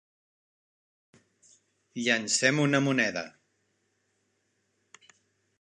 Llancem una moneda.